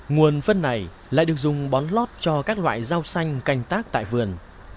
nguồn phân này lại được dùng bón lót cho các loại rau xanh canh tác tại vườn